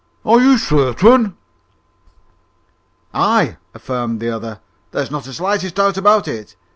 "Are you certain?" "Aye," affirmed the other. "There's not the slightest doubt about it.